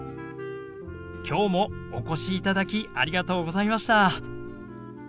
きょうもお越しいただきありがとうございました。